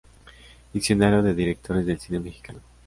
Diccionario de directores del cine mexicano.